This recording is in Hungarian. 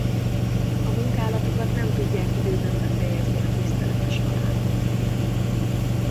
A munkálatokat nem tudják időben befejezni a tiszteletes halála miatt.